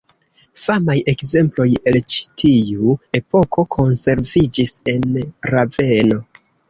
Famaj ekzemploj el ĉi tiu epoko konserviĝis en Raveno.